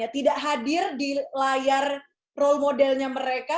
tidak hadir di layar role modelnya mereka